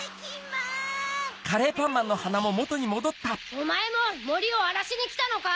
おまえももりをあらしにきたのか？